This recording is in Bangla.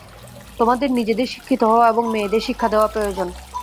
তোমাদের নিজেদের শিক্ষিত হওয়া এবং মেয়েদের শিক্ষা দেওয়া প্রয়োজন।